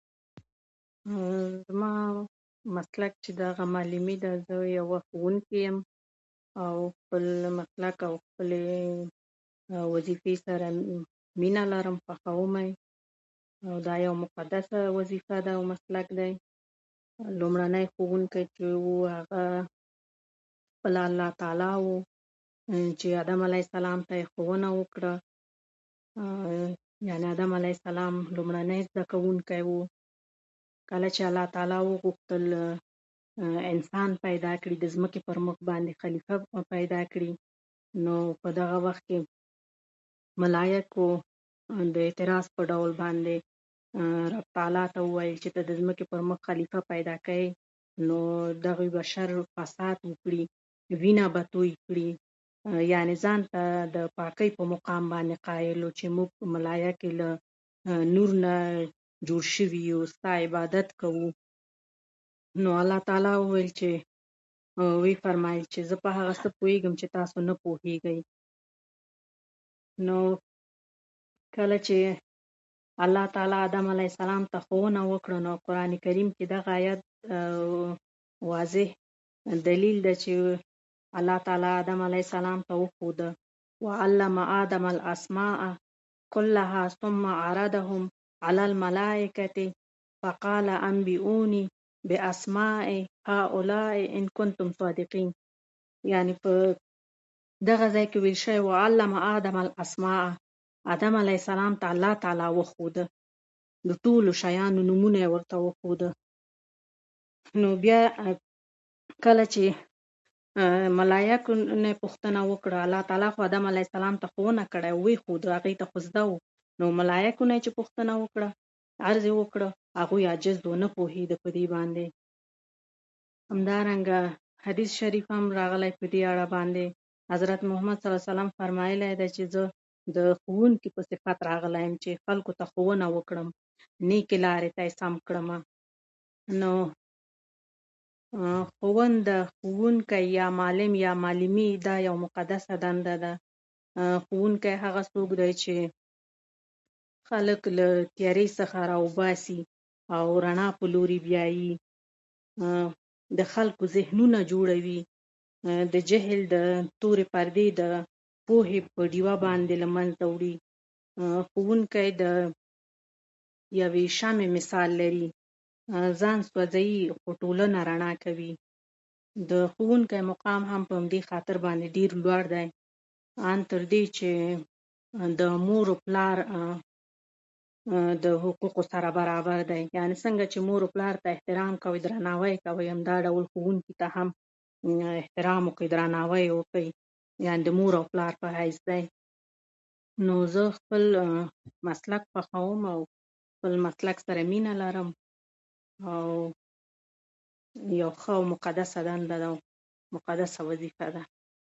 تاسو ورشئ